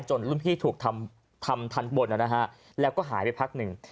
รุ่นพี่ถูกทำทันบนนะฮะแล้วก็หายไปพักหนึ่ง